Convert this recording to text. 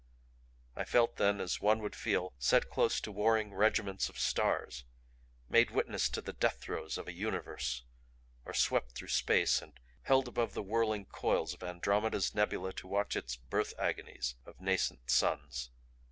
I felt then as one would feel set close to warring regiments of stars, made witness to the death throes of a universe, or swept through space and held above the whirling coils of Andromeda's nebula to watch its birth agonies of nascent suns.